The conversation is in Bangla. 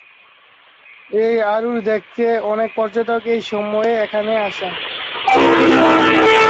এই অরোরা দেখতে অনেক পর্যটক এই সময়ে এখানে আসেন।